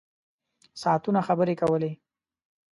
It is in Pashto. ساعتونه خبرې کولې.